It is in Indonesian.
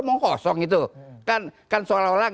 ngomong kosong itu kan seolah olah